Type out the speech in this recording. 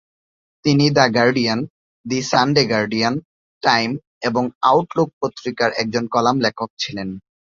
তিনি "the Guardian", "the Sunday Guardian", "Time" এবং "Outlook পত্রিকার" একজন কলাম লেখক ছিলেন।